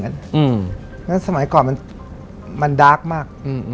ได้ไหมสมายก่อนมันมันดาร์กมาก